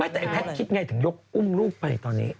แต่ไอแพทย์คิดไงถึงยกอุ้มลูกไปตอนนี้